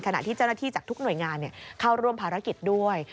ขณะที่เจ้าหน้าที่จากทุกหน่วยงานเข้าร่วมภารกิจด้วย